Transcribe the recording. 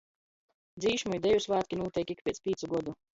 Dzīšmu i deju svātki nūteik ik piec pīcu godu.